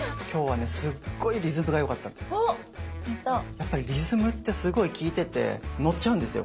やっぱりリズムってすごい聞いててのっちゃうんですよ